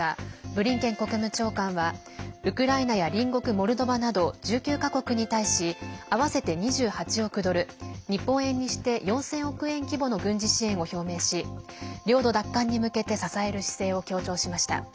ブリンケン国務長官はウクライナや隣国モルドバなど１９か国に対し合わせて２８億ドル日本円にして４０００億円規模の軍事支援を表明し領土奪還に向けて支える姿勢を強調しました。